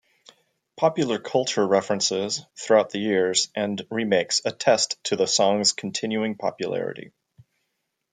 Popular culture references, throughout the years and remakes attest to the song's continuing popularity.